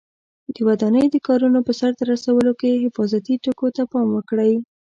د ودانۍ د کارونو په سرته رسولو کې حفاظتي ټکو ته پام وکړئ.